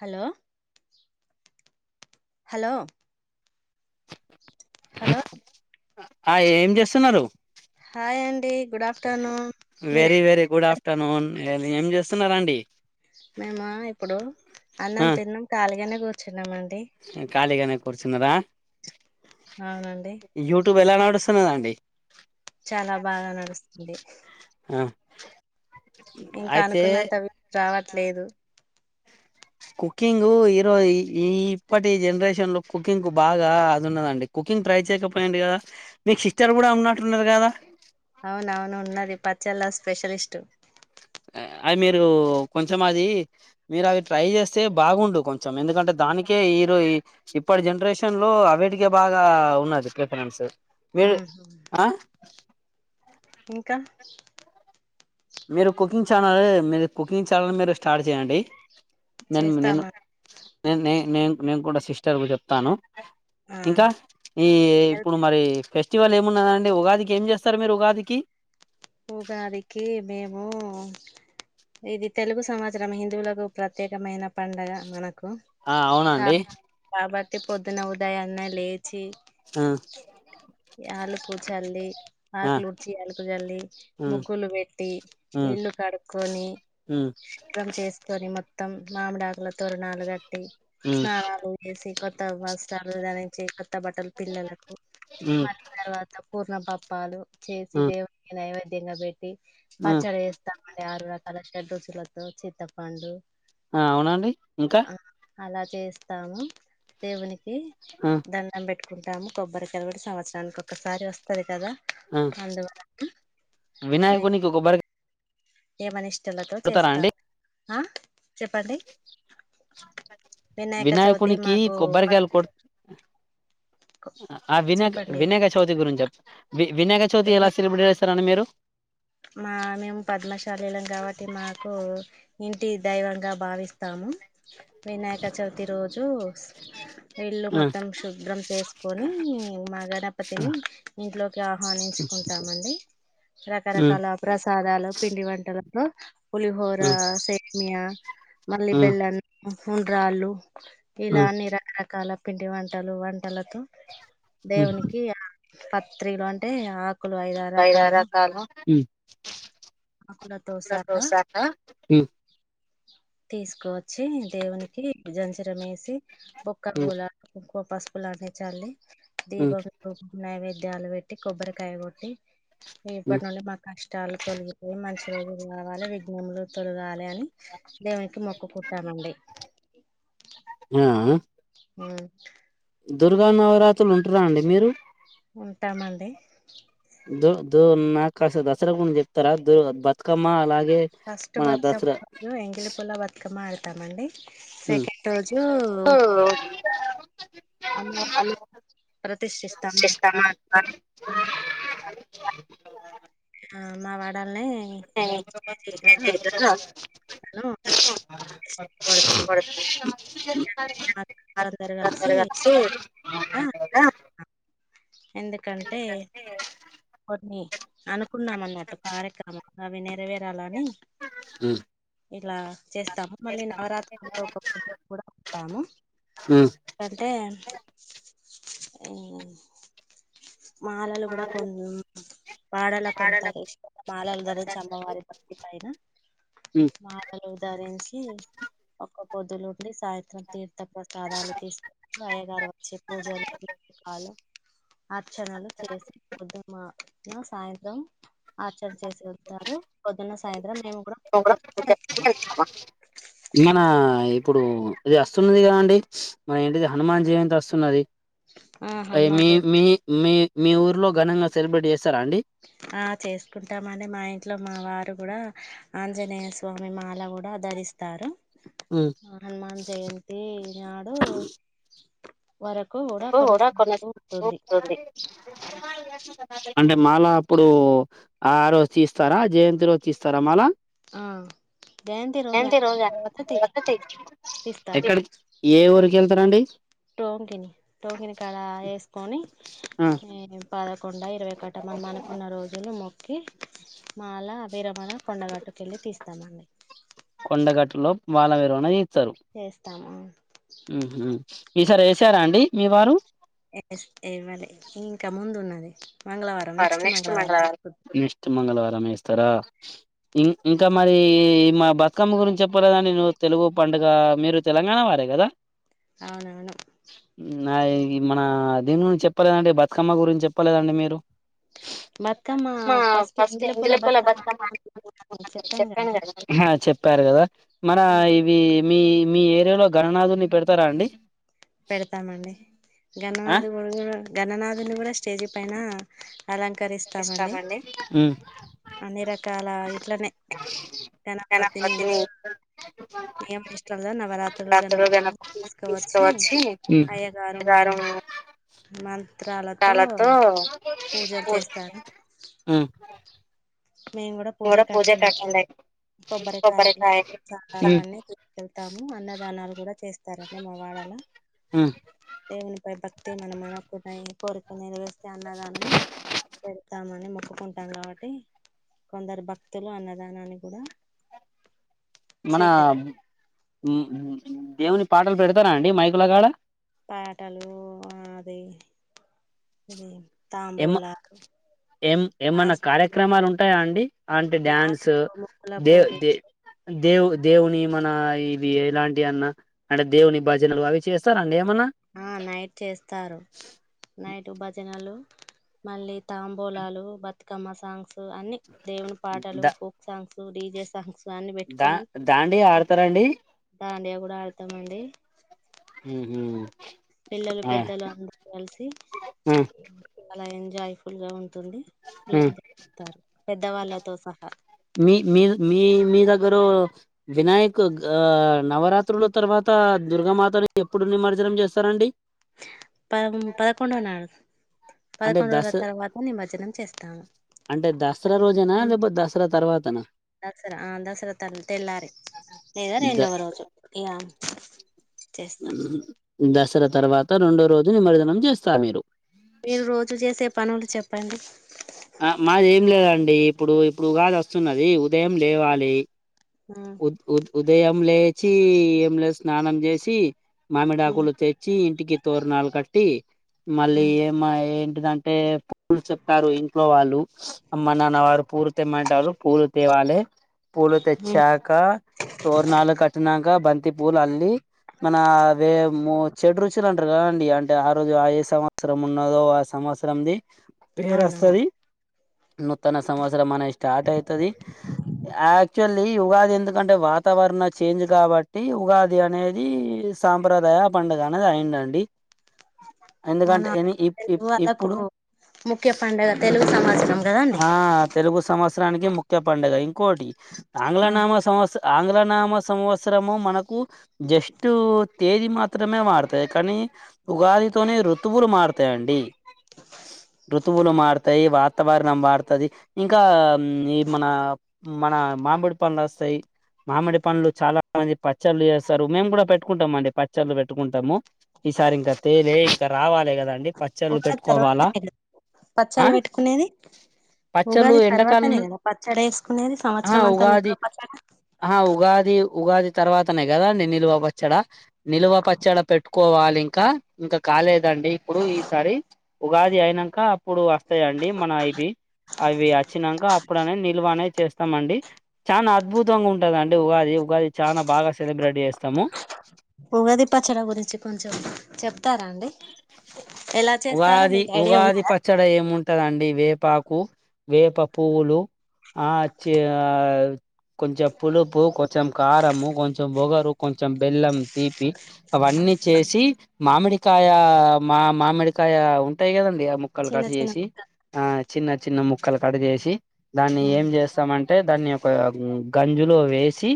Hello hello hello ఆ ఏం చేస్తున్నారు హాయ్ అండి గుడ్ ఆఫ్టర్నూన్ మీరే వెర వెర గుడ్ ఆఫ్టర్నూన్ స్తున్నారండి మేము ఇప్పుడు అన్నాం తిన్నాం కాళగానే కూర్చున్నామ అండి కళగానే కోర్చినార అవునండి మదండి చాలా బాగా నడుస్తుంది అ ఇంకా అనుకున్నంతవి రావట్లేదు కుకింగ్ ఈరోజ ఈ ఈ ఇప్పటి జనరేషన్ లో కుకింగ్ కు బాగా అదిన్నదండి కుకింగ్ ట్రై చేయకపోయింది కదా మీకు సిస్టర్ కూడా ఉన్నట్టున్నారుది కదా అవున అవును ఉన్నది పచ్చళ్ళ స్పెషలిస్ట్ అవి మీరు కొంచం అది మీరు అవి ట్రై చేస్తే బాగుడు కొంచెం ఎందుకంటే దానికే ఈరోజ ఇప్పటి జనరేషన్ లో అవిటికే బాగా ఉన్నది ప్రిఫరెన్స్ వరు మ్మ్. ఆ ఇంకా మీరు కుకింగ్ ఛానల్ మీరు కుకింగ్ ఛానల్ మీరు స్టార్ట్ చేయండి నేను నేను చేస్తామా నే నేను నేను కూడా సిస్టర్ కు చెప్తాను ఆ. ఇంకా ఈ ఇప్పుడు మరి ఫెస్ట్ ఇస్టివల్ ఏమిన్నండి ఉగాదికి ఏం చేస్తారు మీరు ఉగాదికి ఉగాదికి మేము ఇది తెలుగు సమాచారంం హిందువులకు ప్రత్యేకమైన పండగ మనకు ఆ అవునండి కాబట్టి టి పొద్దున ఉదాయ అన్న లేచి ఆ ఆలుకు చల్లి ఆ ఆకులుడ్చి ఆలుకు చల్లి ఉమ్ ముగ్గులు పెట్టి ఉమ్ ఇళ్లుు కడుక్కొని ఉమ్ శుభ్రం చేసుకొని మొత్తం మామిడాకుల తోరణాలు కట్టి ఉమ్ స్నానాలు చేసి కొత్త వస్తాలు దానికి వచ్చ కొత్త బట్టలు పిల్లలకు ఉమ్ మరి తర్వాత పూర్ణపప్పాలు చేసి ఉమ్ దేవుడి నైవేద్యంగా పెట్టి ఉమ్ పచ్చడి వేస్తాం ఆరు రకాల షాద్రుచులతో లతో చింతప్పండు ఆ అవునండి ఇంకా అలా చేస్తాము దేవునికి ఆ దండం పెట్టుకు కుంటాము కొబ్బరికాయలు కూడా సంవత్సరానికి ఒకక్కసారి వస్తుంది కదా అందువల్ల వినాయకనికుబ ఏమని ఇష్టలతో కొడతారా చేస్తా అండి ఆ చెప్పండి వినాయక చవితి వినాయకునికి మాకు ప కొబ్బరికాయలు కొ ఆ వినాయక చెప్పండి వినాయక చౌతి గురు చెప్ వి వినాయక చవితి ఎలా వినా సెలబ్రేట్ చేస్తార అని మీరు మా మేము పద్మశాలీలం కాబట్టి మాకు ఇంటి దైవంగా భావిస్తాము వినాయక చవితి రోజు ఇల్లు ఉమ్ మొత్తం శుభ్రం చేసుకొని మా గణపతిని ఇంట్లోకి ఆహ్వానించ కుంటామండి రకరకాల ఉమ్ కళ ప్రసాదాలు పిండి వంట పులిహోర ఉమ్ సేమియ మళ్ళీ ఉమ్ బెల్లం ఉండ్రాళ్లుు ఇలా ఉమ్ అన్ని రకరకాల పింటి వంటలు వంటలతో ఉమ్, దేవునికి పత్రలు అంటే ఆ ఐదుర్రు రకల్లు ఆకులతో సహా దోశ హ్మ్మ్ తీసుకువచ్చి దేవునికి జంచరం వేసి బొక్క ఉమ్, గోలా కుంకుమ పసుపులన్నే చల్లి ఉమ్, దీపం నైవేద్యాలు పెట్టి కొబ్బరికాయ కొట్టి ఉమ్. ఇప్పటి నుండి మా కష్టాలు తొలుగి మంచి రోజులు రావాలి విఘ్ఞములు తొలగాలి అని దేవునికి మొక్కు కుట్టామండి [inaudible] ఆ ఉమా దుర్గా నవరాత్రులు ఉంటురా అండి మీరు ఉంటామండి దూ దూ నాకు కాస దసరా గుంచి చెప్తారా దూ బతుకమ్మ అలా ఫస్ట్ బతుకమ్మ ఎంగిలి పూల బతుకమ్మ ఆడతామండి హ్మ్మ్ సెకండ్ రోజు అమ్మవారి ప్రతిష్ఠిస్తాం మా చస్తస్తామా వాడ- మా వాడల్ని కేజీగా [unintelligible] తను పడుతుంది [unintelligible] మా అందరు కలిసి ఇలా, [unintelligible] ఎందుకంటే కొన్ని అనుకున్నామ అన్నట్టు కార్యక్రమాలు అవి నెరవేరాలని ఉమ్, ఇలా చేస్తాము మళ్ళీ నవరాత్రులో ఒక కూడా ఉంటాము ఉమ్, అంటే అ మాలలు కూడా కొ వాడలా కొంతారు ఇష్ట మాలలు ధరించి అమ్మవారి పతి పైన ఉమ్. మాడలు ధరించి ఒక పొద్దులు సాయంత్రం తీర్థ ప్రసాదాలు తీసుకు అయ్యగారు వచ్చే పూజలు పకాలు ఆచరణలు చేసిద్ సాయంత్రం ఆర్చర్ చేసి వతారు పొద్దున్న సాయంత్రం మేము కూడా పూజ వెళ్తాము మనా ఇప్పుడు ఇది వస్తున్నది కాదండి మన ఏంటిది హనుమాన్ జయంతి వస్తున్నది ఆ అ హనుమాన్ మీ జయ మీ మీ ఊర్లో ఘనంగా సెలబ్రేట్ చేసి ఆ చేసుకుంటామని మా ఇంట్లో మా వారు కూడా ఆంజనేయ స్వామి మేమాల కూడా ఆ ధరిస్తారు ఉమ్. హనుమాన్ జయంతి నాడు వరకు ఎప్పు కూడా కొనసాగుతూ ఉంటుంది కొన్నితుంది అంటే మాలా అప్పుడు ఆ రోజు తీస్తారా జయంతి రోజు తీస్తారా మాలా ఆ జయంతి రోజు ఏ రజ అయిపోయిన తర్వాత తీస్తాం తీస్తాడు ఎక్కడి ఏ ఊరిక వెళ్తారండి టోంగిని టోంగిని కడ వేసుకొని ఆ, పద కొడా ఇరవై కట మనం అనుకున్న రోజులు మొక్కి మాల భిరమణ కొండగట్టుక వెళ్ళి తీస్తామండి కొండగట్టులో మాల విరవణ ఇస్తారు [unintelligible] ఈ సారి వేసారా అండి మీ వారు ఇవ్వలే ఇంకా ముందు ఉన్నది మంగళవారం నెక్స్ట్ మంగళ మంగళవారం నెక్స్ట్ మంగళవారం వేస్తారా ఇం ఇంకా మరి మా బతుకమ్మ గురించి చెప్పలేదండి నువ్వు తెలుగు పండుగ మీరు తెలంగాణ వారే కదా అవునవును నా ఈ మన దీని గురించి చెప్పలేదండి బతుకమ్మ గురించి చెప్పలేదండి మీరు బతుకమ్మ ఫస్ట్ ఎంగిలి పుల బతుకమ్మ చెప్పాను కదండి హు చెప్పారు రు కదా మన ఇవి మీ మీ ఏరియాలో గణనాధుని పెడతారా అండి పెడతామండి ఆ గణనాది గణనాథుని కూడా స్టేజీ పైన అలంకరిస్తామండి హ్మ్. అన్ని రకాల ఇట్లనే గణపతిని నియమనిష్టలతో నవరాత్రులు గణపతిని తీసుకువచ్చి హ్మ్. అయ్యగారు హళ్ చాలాతో చేస్తారు మేము కూడా [unintelligible] పూజకు పూజ అటెండ్ అయితాం కాట్టలే కొబ్బరికాయలు కొబ్బరకాయలు ప్రసాదాలు అన్నీ తీసుకెళ్తాము అన్నదానాలు కూడా చేస్తారండి మా వాడలో హ్మ్. దేవుని పై భక్తి మనం అనుకున్న ఇ కోరుకు న్నయి నేరవేరితే అన్నదానం పెడతామని మొక్కు ఒప్పుకుంటాం కాబట్టి కొందరు భక్తులు అన్నదానాన్ని కూడా మన స్వీకరి దేవుని పాటలు పెడతారా అండి మైకులకాడ పాటలు అది ఇది ఎమ్ తాంబూలాలు ఏం ఏమన్నా డాన్స్ కార్యక్రమాలు ఉంటాయా అండి అంటి డ్యాన్స్ ముగ్గుల దేవ్ పోటీ దే దేవు దేవుని మన ఇది ఎలాంటి అన్నా అంటే దేవుని భజనలు అవి చేస్తారా ఆ నైట్ చేస్తారు నైట్ భజనలు మళ్ళీ తాంబూలాలు బతుకమ్మ సాంగ్స్ అన్ని దేవుని పాటలు the folk songs DJ songs అన్ని దా పెట్టుకొని దాండియా ఆడతారాండి దాండియా కూడా ఆడతామండి ఉహు పిల్లలు ఆ పెద్దలు అందరు కలిసి ఉ అలా ఎంజాయ్ ఫుల్ గా ఉంటు ది ఉ ప్లేచేస్తారు పెద్దవాళ్ళతో సహా మీ మీ మీ మీ దగ్గరో వినాయక్ నవరాత్రుల తర్వాత దుర్గామాతని ఎప్పుడు నిమజ్జనం చేస్తారండి పద పదకొండో నాడు అంటే పదకొండు దస రోజుల తర్వాత నిమజ్జనం చేస్తాము అంటే దసరా అదే రోజెనా లేకపోతే దసరా తర్వాతనా దసరా ఆ దసరా తల్ తెల్లారి లేదా రెండవ ద రోజు ఇక దసరా తర్వాత రెండో రోజు నిమర్జనం చేస్తా మీరు మీరు రోజు చేసే పని ఒకటి చెప్పండి ఆ మాది ఏం లేదండి ఇప్పుడు ఇప్పుడుగాదు వస్తున్నది ఉదయం లేవాలి ఉమ్ ఉ ఉ ఉదయం లేచి ఏమి లే స్నానం చేసి మామిడ ఉమ్ ఆకులు తెచ్చి ఇంటికి తోరణాలు కట్టి మళ్ళీ ఏమ ంటే పుల్ చెప్తారు ఇం [unintelligible] లో వాళ్ళు అమ్మ నాన్న వారు పూలు తెమ్మంటారు పూలు తేవాలే పూలు ఉమ్ తెచ్చాక తోరణాలు కట్టినాక బంతి పూలు అల్లి మన వేము షడ్ రుచులు అంటారు కదండి అంటే ఆ రోజు ఆ ఏ సంవత్సరం ఉన్నదో ఆ అ సంవత్సరంది పేరు అవును వస్తది నూతన సంవత్సర మ స్టార్ట్ అవుతుది ఆక్చుల్ ఉగాది ఎందుకంటే వాతావరణ చేంజ్ కాబట్టి ఉగాది అనేది సాంప్రదాయ పండుగనేది అయిండండి మన ఇప్ వాళ్ళకు ఇప్పుడు ముఖ్య పండగ తెలుగు సమాచారం కదాండి ఆ తెలుగు సంవత్సరానికి ముఖ్య పండుగ ఇంకోటి ఆంగ్ల నామ సంవత్సర ఆంగ్ల నామ సంవత్సరము మనకు జస్ట్ తేదీ మాత్రమే మారుతుంది కానీ ఉగాదితోనే ఋతువులు మారుతాయండి ఋతువులు మత వతాయి వాతావరణం వాడుతుది ఇంకా ఈ మన మన మామిడి పండ్లు వస్తాయి మామిడి పంలు చాలా మంది పచ్చళ్ చేస్తారు మేము కూడా పెట్టుకుంటాం అండి పచ్చళ్ళు పెట్టుకుంటాము ఈసారి ఇంకా తేలే ఇంకా రావాలే కదాండి పచ్చళ్ళు పెట్టుకోవాలా చల్ల ఆ పెట్టుకునేది పచ్చళ్ళు పోగాది ఎండాకాలం తర్వాతనే కదా పచ్చడి వేసుకునేది ఆ సంవత్సరం అంతా ఉగాది నీట్లో పచ్చడి ఆ ఉగాది ఉగాది తర్వాతనే కదం నిల్వ పచ్చడా నిల్వ పచ్చడి పెట్టుకు పోవాలి ఇంకా ఇంకా కాలేదండి ఇప్పుడు ఈసారి ఉగాది అయినాక ఇప్పుడు వస్తాయిండి మన ఇవి అవి వచ్చినాక అప్పుడనే నిల్వ అనే చేస్తామండి చాలా అద్భుతంగా ఉంటదండి ఉగాది ఉగాది చాలా బాగా సెలబ్రేట్ చేస్తాము ఉగాది పాచ్చడా గురించి కొంచ చె తారా అండి ఎలా చేస్తారో మీకు ఐడియా ఉన్నదా వదండి వేపాకు వేప పువులు ఆచ్చ కొంచెం పులుపు కొంచెం కారము కొంచెం బొగరు కొంచెం బెల్లం తీపి అవన్నీ చేసి మామిడి మకాయ మా మామిడికాయ ఉంటాయి కదంీ ఆ ముక్కలు చిన్న కట్ చిన్న చేసి ముక్కలు ఆ చిన్న చిన్న ముక్కలు కడ చేసి దాన్ని ఏం చేస్తామంటే అంటే దాన్ని ఒక గంజులో వేసి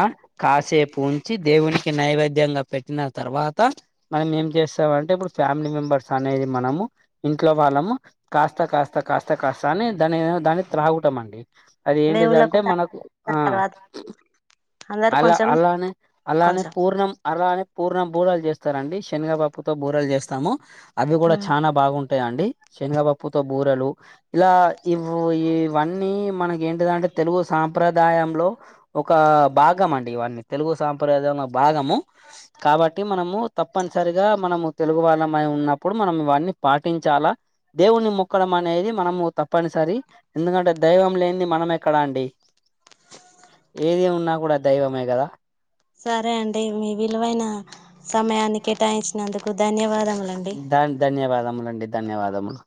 ఆ కాసేపు ఉంచి దేవునికి నైవేద్యంగా పెట్టిన తర్వాత మనం చేస్తాంటే ఇప్పుడు ఫ్యామిలీ మెంబర్స్ అనేది మనము ఇంట్లో వాళ్ళము కాస్త కాస్త కాస్త కాస్త అని దాని దాన్ని త్రాగటం అండి అది ఏంటిది దేవుళ్ళకు అంటే మనకు తాంబూలాలు ఆ తర్వాత అందరు అల్ కొంచెం అల్లానే అల్లాహనే కొంచెం పూర్ణం అల్లానే పూర్ణం బూరలు చేస్తారండి శనగబాప్పుతో బూరలు చేస్తాము అవి కూడా చాలా బాగుంటా ఉంటాయండి శనగపప్పుతో బూరెలు ఇలా ఇ ఇవన్నీ మనక ఏంటిదంటే తెలుగు సాంప్రదాయంలో ఒక భాగం అండి ఇవన్నీ తెలుగు సాంప్రదాయంలో భాగము కాబట్టి మనము తప్పనిసరి మనము తెలుగు వాళ్ళ ఉన్నప్పుడు మనం వాడిని పాటించాలా దేవుని మొక్కడం అనేది మనం తప్పనిసరి ఎందుకంటే దైవం లేనిది మనం ఎక్కడా అండి ఏది ఉన్నా కూడా దైవమే కదా సరే అండి మీ విలువైన సమయాన్ని కేటాయించినందుకు ధన్యవాదములండి న్ ధన్యవాదములండి ధన్యవాదములు